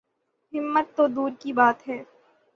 ہمت تو دور کی بات ہے۔